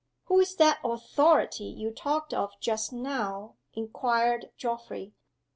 "Who's that 'authority' you talked of just now?" inquired Geoffrey.